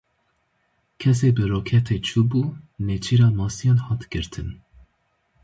Kesê bi roketê çûbû nêçîra masiyan hat girtin.